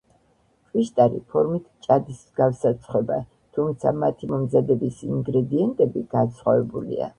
ჭვიშტარი ფორმით მჭადის მსგავსად ცხვება, თუმცა მათი მომზადების ინგრედიენტები განსხვავებულია.